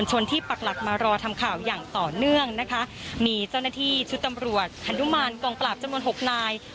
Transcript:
สนพยตั้งแต่เวลา๑๘๕๐น